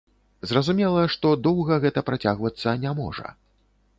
Зразумела, што доўга гэта працягвацца не можа.